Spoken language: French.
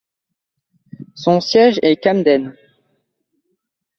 Son siège est Camden.